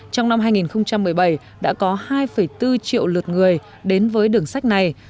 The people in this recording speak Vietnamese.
trong năm hai nghìn một mươi bảy đã có hai bốn triệu lượt người đến với đường sách này